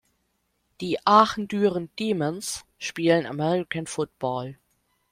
Die Aachen-Düren Demons spielen American Football.